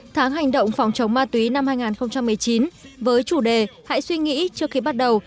tháng hành động phòng chống ma túy năm hai nghìn một mươi chín với chủ đề hãy suy nghĩ trước khi bắt đầu